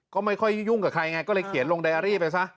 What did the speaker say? ก็ไม่ค่อยยุ่งกับใครไงก็เลยเขียนลงไดอารี่ไปซะ